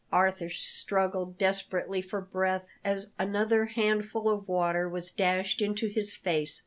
Arthur struggled desperately for breath as another handful of water was dashed into his face.